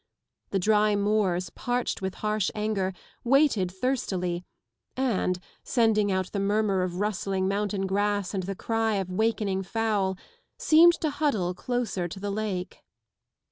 The dry moors, parched with harsh anger, waited thirstily and, sending out the murmur of rustling mountain grass and the cry of wakening fowl , seemed to huddle closer to the lake